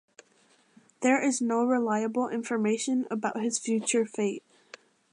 There is no reliable information about his future fate.